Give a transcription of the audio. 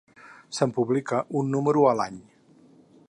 Se’n publica un número a l’any.